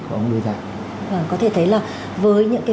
của ông ấy đưa ra có thể thấy là với những cái